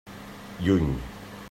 Lluny.